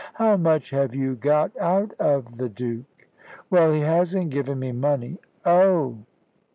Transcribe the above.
How much have you got out of the Duke?" "Well, he hasn't given me money " "Oh!"